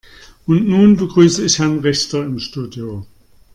Und nun begrüße ich Herrn Richter im Studio.